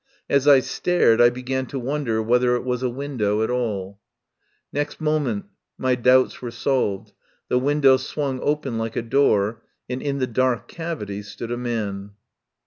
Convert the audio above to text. As I stared, I began to wonder whether it was a window at all. Next moment my doubts were solved. The 141 THE POWER HOUSE window swung open like a door, and in the dark cavity stood a man.